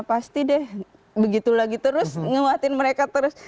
pasti deh begitu lagi terus nguatin mereka terus